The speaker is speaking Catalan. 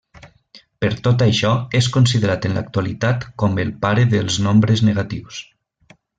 Per tot això és considerat en l'actualitat com el pare dels nombres negatius.